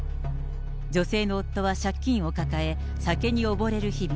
女性の夫は借金を抱え、酒におぼれる日々。